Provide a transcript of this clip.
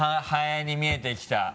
ハエに見えてきた。